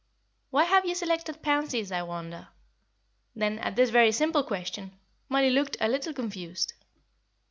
Why have you selected pansies, I wonder?" Then, at this very simple question, Mollie looked a little confused.